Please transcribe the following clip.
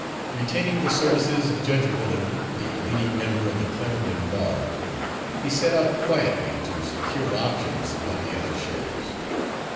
Retaining the services of Judge Bullard, the leading member of the Clarendon bar, he set out quietly to secure options upon the other shares.